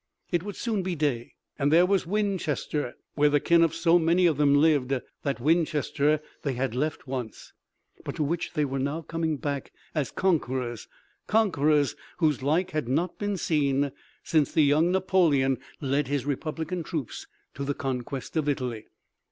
It would soon be day and there was Winchester, where the kin of so many of them lived, that Winchester they had left once, but to which they were now coming back as conquerors, conquerors whose like had not been seen since the young Napoleon led his republican troops to the conquest of Italy.